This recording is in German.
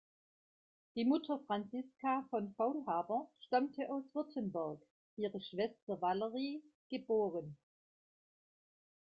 Die Mutter Franziska von Faulhaber stammte aus Württemberg; ihre Schwester Valerie geb.